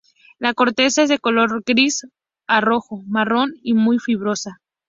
La corteza es de color gris a rojo-marrón y muy fibrosa.